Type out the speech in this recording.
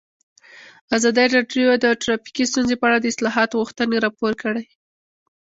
ازادي راډیو د ټرافیکي ستونزې په اړه د اصلاحاتو غوښتنې راپور کړې.